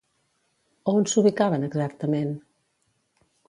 A on s'ubicaven exactament?